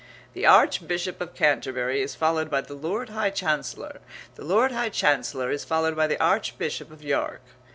The Archbishop of Canterbury is followed by the Lord High Chancellor; the Lord High Chancellor is followed by the Archbishop of York.